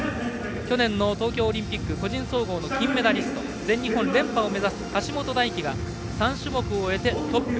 去年の東京オリンピック個人総合の金メダリスト全日本連覇を目指す橋本大輝が３種目終えてトップ。